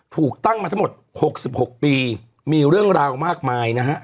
ถูกตั้งมาทั้งหมด๖๖ปีมีเรื่องราวมากมายนะฮะ